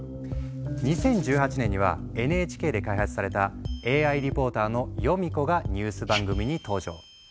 ２０１８年にはＮＨＫで開発されたＡＩリポーターのヨミ子がニュース番組に登場。